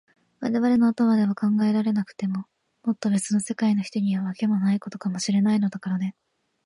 われわれの頭では考えられなくても、もっとべつの世界の人には、わけもないことかもしれないのだからね。